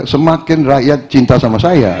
semakin rakyat cinta sama saya